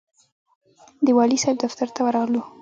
د والي صاحب دفتر ته ورغلو.